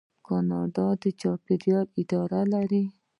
کاناډا د چاپیریال اداره لري.